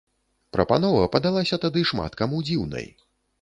Прапанова падалася тады шмат каму дзіўнай.